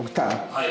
はい。